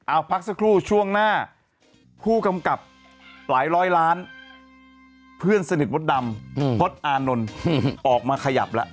อ้าวพักสักครู่ช่วงหน้าผู้กำกับหลายร้อยล้านเพื่อนสนิทประวัติดำ